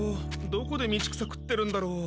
どこで道草食ってるんだろう？